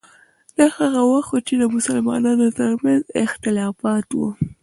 دا هغه وخت و چې د مسلمانانو ترمنځ اختلافات وو.